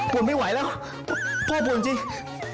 ไม่ไหวแล้วพ่อปวดจริง